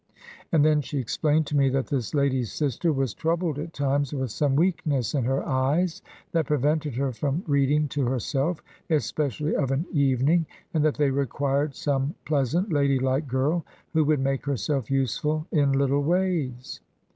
And then she explained to me that this lady's sister was troubled at times with some weakness in her eyes that prevented her from reading to herself, especially of an evening, and that they required some pleasant, ladylike girl, who would make herself useful in little ways."